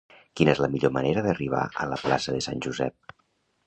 Quina és la millor manera d'arribar a la plaça de Sant Josep?